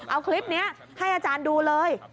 เอาคลิปนี้ให้อาจารย์ดูเลย